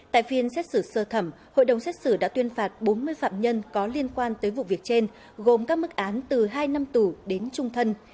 tại phiên xét xử sơ thẩm hội đồng xét xử đã tuyên phạt bốn mươi phạm nhân có liên quan tới vụ việc trên gồm các mức án từ hai năm tù đến trung thân